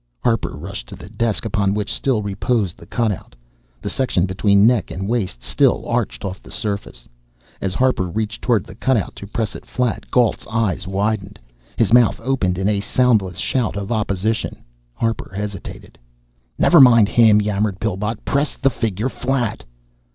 Harper rushed to the desk upon which still reposed the cutout, the section between neck and waist still arched off the surface. As Harper reached toward the cutout to press it flat, Gault's eyes widened, his mouth opened in a soundless shout of opposition. Harper hesitated. "Never mind him," yammered Pillbot. "Press the figure flat!"